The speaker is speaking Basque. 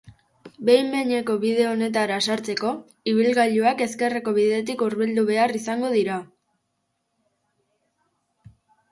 Behin-behineko bide honetara sartzeko, ibilgailuak ezkerreko bidetik hurbildu behar izango dira.